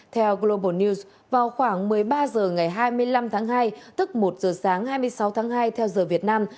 theo global news vào khoảng một mươi ba h ngày hai mươi năm tháng hai tức một giờ sáng hai mươi sáu tháng hai theo giờ việt nam